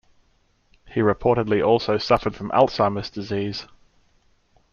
He reportedly also suffered from Alzheimer's disease.